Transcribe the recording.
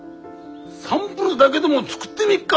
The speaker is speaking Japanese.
サンプルだげでも作ってみっか？